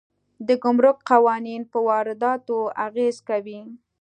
د ګمرک قوانین په وارداتو اغېز کوي.